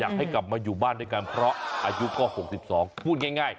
อยากให้กลับมาอยู่บ้านด้วยกันเพราะอายุก็๖๒พูดง่าย